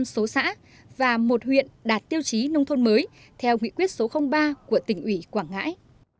hai mươi hai mươi hai số xã và một huyện đạt tiêu chí nông thôn mới theo nghị quyết số ba của tỉnh ủy quảng ngãi